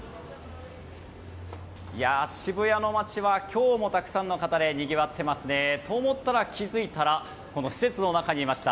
渋谷の街は今日もたくさんの方でにぎわっていますね。と思ったら、気付いたらこの施設の中にいました。